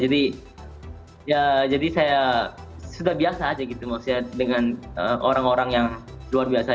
jadi ya jadi saya sudah biasa aja gitu maksudnya dengan orang orang yang luar biasa